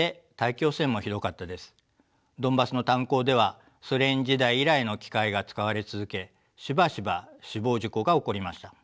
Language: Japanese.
ドンバスの炭鉱ではソ連時代以来の機械が使われ続けしばしば死亡事故が起こりました。